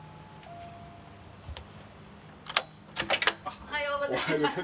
おはようございます。